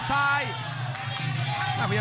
คมทุกลูกจริงครับโอ้โห